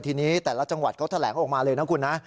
ทีนี้แต่ละจังหวัดเขาแถลงออกมาเลยนะคุณนะ